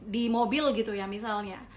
di mobil gitu ya misalnya